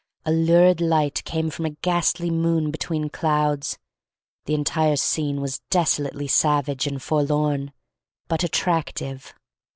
A lurid light came from a ghastly moon between clouds. The entire scene was desolately savage and forlorn, but attractive.